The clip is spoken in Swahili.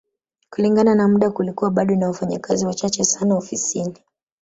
Kulingana na muda kulikuwa bado na wafanyakazi wachache sana ofisini